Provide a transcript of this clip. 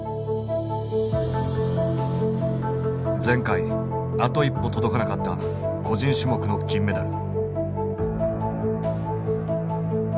前回あと一歩届かなかった個人種目の金メダル。